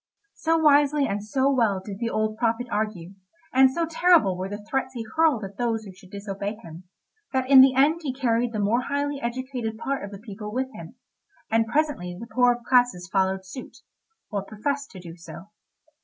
So wisely and so well did the old prophet argue, and so terrible were the threats he hurled at those who should disobey him, that in the end he carried the more highly educated part of the people with him, and presently the poorer classes followed suit, or professed to do so.